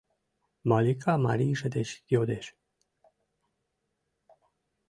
— Малика марийже деч йодеш.